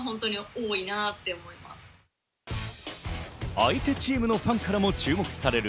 相手チームのファンからも注目される